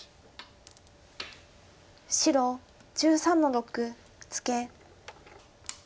白１３の六ツケ。